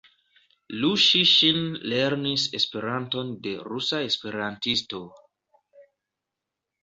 Lu Ŝi-Ŝin lernis Esperanton de rusa esperantisto.